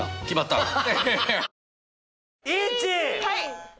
はい！